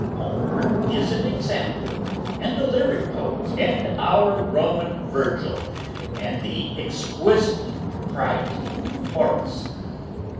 Homer is an example, and the lyric poets, and our Roman Virgil, and the exquisite propriety of Horace.